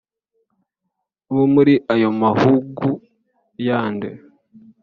bo muri ayo mahugu yandi